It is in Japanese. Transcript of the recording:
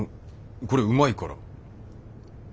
これうまいから。